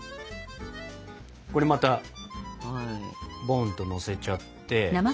これまたボンとのせちゃって。